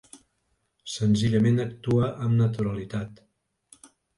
Senzillament actua amb naturalitat.